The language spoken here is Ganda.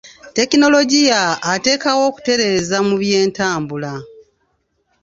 Tekinologiya ateekawo okutereeza mu by'entambula.